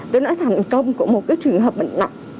tôi nói thành công của một cái trường hợp bệnh nặng